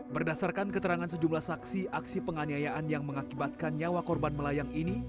berdasarkan keterangan sejumlah saksi aksi penganiayaan yang mengakibatkan nyawa korban melayang ini